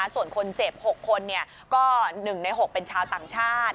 ส่วนคนเจ็บ๖คนก็๑ใน๖เป็นชาวต่างชาติ